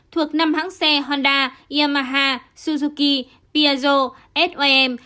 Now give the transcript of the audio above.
thuộc năm hãng xe honda yamaha suzuki piazzo som